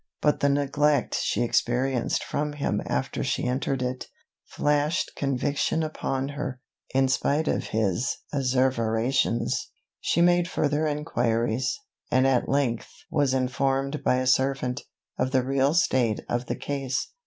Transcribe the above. But the neglect she experienced from him after she entered it, flashed conviction upon her, in spite of his asseverations. She made further enquiries, and at length was informed by a servant, of the real state of the case.